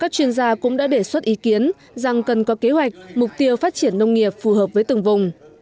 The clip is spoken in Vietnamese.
các chuyên gia cũng đã đề xuất ý kiến rằng cần có kế hoạch mục tiêu phát triển nông nghiệp phù hợp với từng vùng